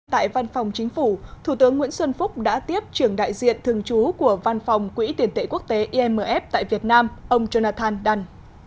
tại văn phòng chính phủ thủ tướng nguyễn xuân phúc đã tiếp trưởng đại diện thường trú của văn phòng quỹ tiền tệ quốc tế imf tại việt nam ông jonathan don